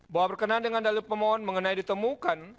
bahwa berkenaan dengan dalil pemohon mengenai ditemukan